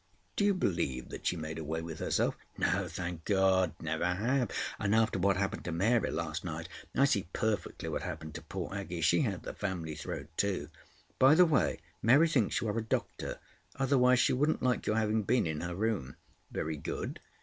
"Do you believe that she made away with herself?" "No, thank God! Never have! And after what happened to Mary last night, I see perfectly what happened to poor Aggie. She had the family throat too. By the way, Mary thinks you are a doctor. Otherwise she wouldn't like your having been in her room." "Very good.